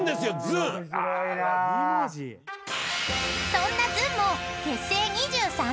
［そんなずんも結成２３年］